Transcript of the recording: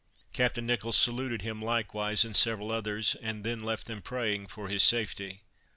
Captain Nicholls saluted him likewise, and several others, and then left them praying for his safety.